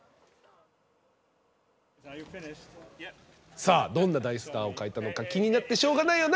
さあどんな大スターを描いたのか気になってしょうがないよな。